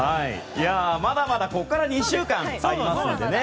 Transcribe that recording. まだまだ、ここから２週間ありますのでね。